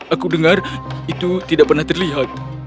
aku dengar itu tidak pernah terlihat